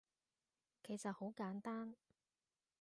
其實好簡單